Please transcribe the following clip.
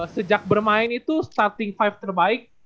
sejak bermain itu starting lima terbaik